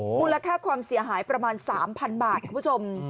โอโฮมูลค่าความเสียหายประมาณสามพันบาทของผู้ชม